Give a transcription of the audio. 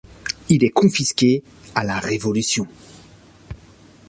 Il est confisqué à la Révolution.